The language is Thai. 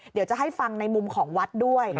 เดี๋ยวจะให้ฟังในมุมของวัดด้วย